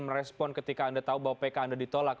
merespon ketika anda tahu bahwa pk anda ditolak